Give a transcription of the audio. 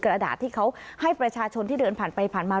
กระดาษที่เขาให้ประชาชนที่เดินผ่านไปผ่านมา